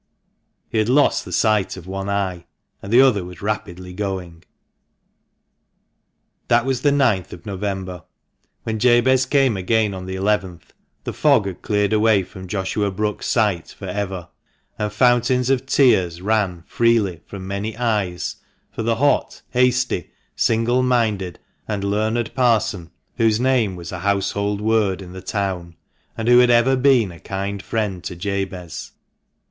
He had lost the sight of one eye, and the other was rapidly going. That was the ninth of November. When Jabez came again on the eleventh, the fog had cleared away from Joshua Brookes's sight for ever; and fountains of tears ran freely from many eyes for the hot, hasty, single minded, and learned Parson whose name was a household word in the town, and who had ever been a kind friend to Jabez.